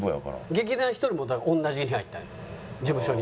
劇団ひとりも同じ時期に入ったのよ事務所に。